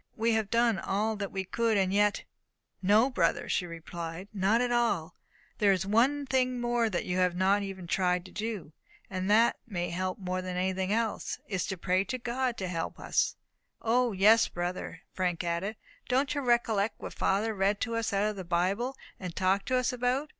We have done all that we could, and yet ." "No, brother," she replied, "not at all. There is one thing more that you have not even tried to do; and that may help us more than anything else. It is to pray to God to help us." "O, yes, brother," Frank added, "don't you recollect what father read to us out of the Bible, and talked to us about?